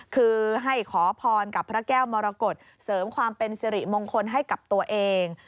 คือให้ขอพรกับพระแก้วมรกฏเสริมความเป็นสิริมงคลให้กับตัวเอง